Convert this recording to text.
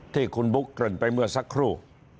ที่คุณบุ๊คเกริ่นไปเมื่อสักครู่